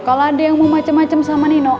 kalau ada yang mau macem macem sama nino